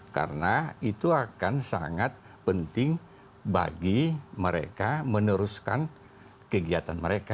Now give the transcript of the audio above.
karena itu akan sangat penting bagi mereka meneruskan kegiatan mereka